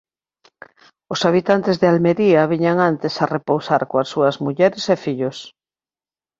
Os habitantes de Almería viñan antes a repousar coas súas mulleres e fillos.